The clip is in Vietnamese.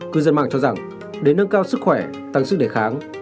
cư dân mạng cho rằng để nâng cao sức khỏe tăng sức đề kháng